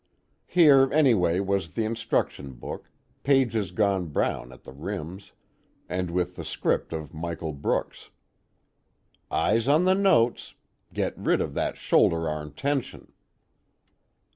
Here anyway was the instruction book, pages gone brown at the rims, and with the script of Michael Brooks. _Eyes on the notes! Get rid of that shoulder arm tension!!